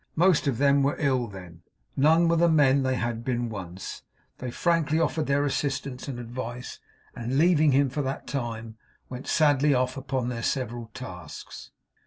Most of them were ill then; none were the men they had been once. They frankly offered their assistance and advice, and, leaving him for that time, went sadly off upon their several tasks.